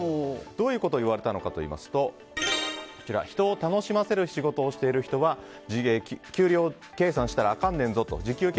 どういうことを言われたのかというと人を楽しませる仕事をしている人は時給計算したらあかんねんぞ。